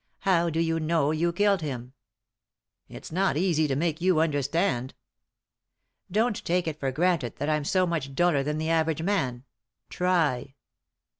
How do you know you killed him ?"" It's not easy to make you understand." "Don't take it for granted that I'm so much duller than the average man; try."